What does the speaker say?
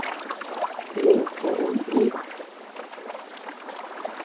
Neʼe koʼö nʼiba.